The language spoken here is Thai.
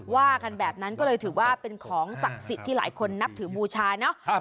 ว่ากันแบบนั้นก็เลยถือว่าเป็นของศักดิ์สิทธิ์ที่หลายคนนับถือบูชาเนาะ